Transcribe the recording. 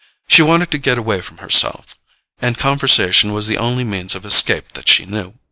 She wanted to get away from herself, and conversation was the only means of escape that she knew.